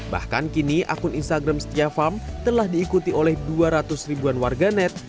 bahkan kini akun instagram setia farm telah diikuti oleh dua ratus ribuan warganet